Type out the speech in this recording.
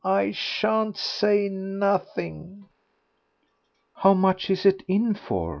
I shan't say nothing." "How much is it in for?